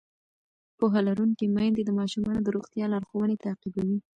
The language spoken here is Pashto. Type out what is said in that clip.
پوهه لرونکې میندې د ماشومانو د روغتیا لارښوونې تعقیبوي.